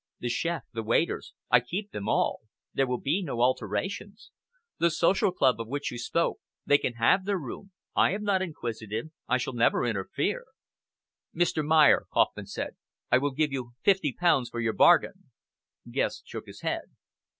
The chef, the waiters, I keep them all. There will be no alterations. The social club of which you spoke they can have their room! I am not inquisitive. I shall never interfere." "Mr. Mayer," Kauffman said, "I will give you fifty pounds for your bargain!" Guest shook his head.